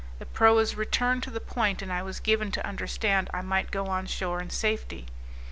The proas returned to the point, and I was given to understand I might go on shore in safety.